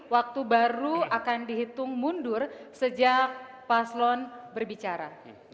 waktu baru akan dihitung mundur sejak paslon berbicara